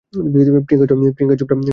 প্রিয়াঙ্কা চোপড়া, চাচা।